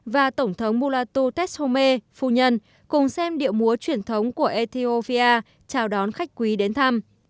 và tổng thống mulatu teshome phu nhân cùng xem điệu múa truyền thống của ethiopia chào đón khách quý đến thăm